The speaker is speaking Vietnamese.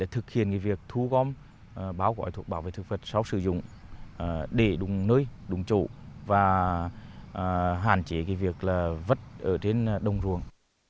thực hiện việc thu gom bao gói thuốc bảo vệ thực vật sau sử dụng để đúng nơi đúng chỗ và hạn chế việc vất ở đông ruộng